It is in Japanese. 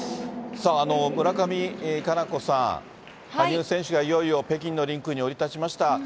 さあ、村上佳菜子さん、羽生選手がいよいよ北京のリンクに降り立ちました。